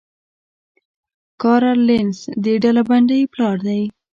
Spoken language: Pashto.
کارل لینس د ډلبندۍ پلار دی